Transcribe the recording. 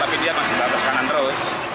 tapi dia masih batas kanan terus